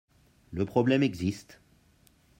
Le problème existe.